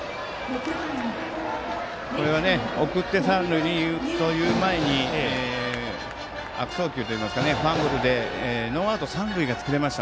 これが送って三塁にという前に悪送球といいますかファンブルでノーアウト、三塁が作れました。